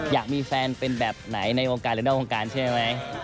อยากมีแฟนเป็นแบบไหนในวงการหรือนอกวงการใช่ไหม